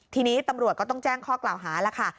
ทีนี้ตำรวจก็ต้องแจ้งข้อกล่าวหาแล้วค่ะ